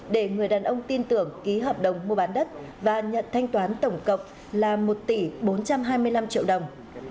để người đàn ông tin tưởng ký hợp đồng mua bán đất và nhận thanh toán tổng cộng là một tỷ bốn trăm hai mươi năm triệu đồng